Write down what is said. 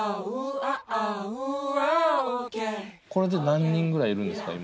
これで何人ぐらいいるんですか？